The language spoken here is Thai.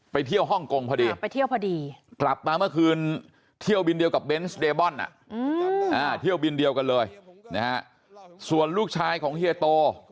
เที่ยวฮ่องกงพอดีไปเที่ยวพอดีกลับมาเมื่อคืนเที่ยวบินเดียวกับเบนส์เดบอนเที่ยวบินเดียวกันเลยนะฮะส่วนลูกชายของเฮียโต